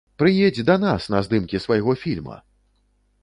Прыедзь да нас на здымкі свайго фільма!